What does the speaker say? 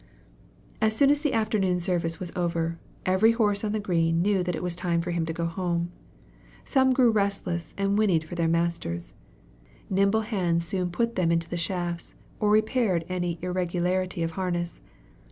As soon as the afternoon service was over, every horse on the green knew that it was time for him to go home. Some grew restless and whinnied for their masters. Nimble hands soon put them into the shafts or repaired any irregularity of harness.